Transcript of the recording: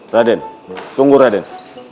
raden tunggu raden